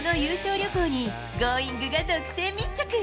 旅行に、Ｇｏｉｎｇ！が独占密着。